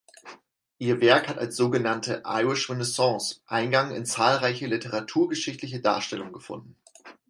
Ihr Werk hat als sogenannte „Irish Renaissance“ Eingang in zahlreiche literaturgeschichtliche Darstellungen gefunden.